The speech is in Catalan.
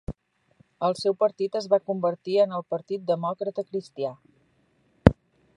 El seu partit es va convertir en el Partit Demòcrata Cristià.